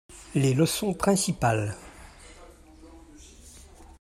Les leçons principales.